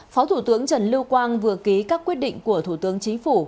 phó thủ tướng trần lưu quang vừa ký các quyết định của thủ tướng chính phủ